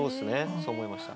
そう思いました。